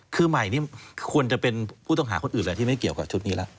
คือมัยเป็นผู้ต้องหาคนอื่นดีกว่าที่ไม่เกี่ยวกับชุดนี้นะ